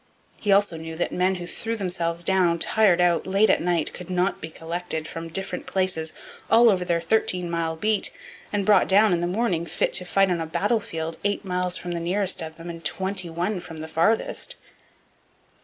He also knew that men who threw themselves down, tired out, late at night could not be collected from different places, all over their thirteen mile beat, and brought down in the morning, fit to fight on a battlefield eight miles from the nearest of them and twenty one from the farthest.